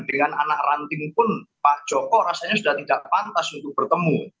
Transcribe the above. dengan anak ranting pun pak joko rasanya sudah tidak pantas untuk bertemu